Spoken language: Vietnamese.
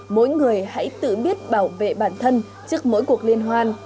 mỗi người hãy tự biết bảo vệ bản thân trước mỗi cuộc liên hoan